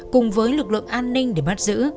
cùng với lực lượng an ninh để bắt giữ